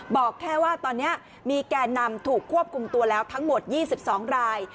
บอกแค่ว่าตอนนี้มีแก่นำถูกควบคุมตัวแล้วทั้งหมด๒๒ราย